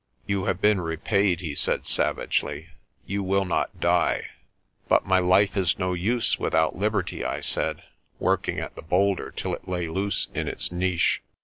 "You have been repaid," he said savagely. "You will not die." "But my life is no use without liberty," I said, working at the boulder till it lay loose in its niche.